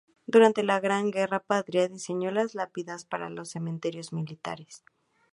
Durante la Gran Guerra Patria, diseñó las lápidas para los cementerios militares.